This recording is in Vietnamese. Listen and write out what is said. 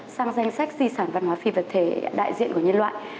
sang danh sách di sản văn hóa phi vật thể đại diện của nhân loại